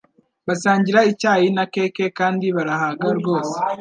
Basangira icyayi na keke kandi barahaga rwose